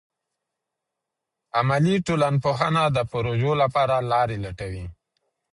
عملي ټولنپوهنه د پروژو لپاره لارې لټوي.